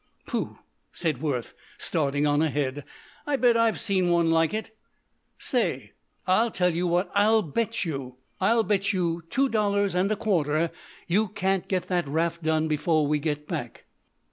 "Pooh!" said Worth, starting on ahead. "I bet I've seen one like it." "Say I'll tell you what I'll bet you. I'll bet you two dollars and a quarter you can't get that raft done before we get back!"